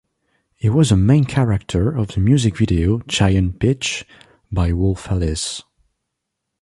He was a main character of the music video "Giant peach" by Wolf Alice.